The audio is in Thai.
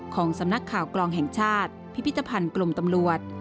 ของสำนักข่าวกลองแห่งชาติพิพิธภัณฑ์กลมตำรวจ